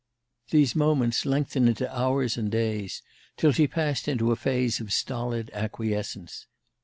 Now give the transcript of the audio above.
These moments lengthened into hours and days, till she passed into a phase of stolid acquiescence.